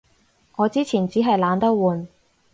我之前衹係懶得換